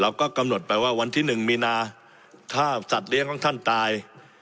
เราก็กำหนดไปว่าวันที่๑มีนาถ้าสัตว์เลี้ยงของท่านตาย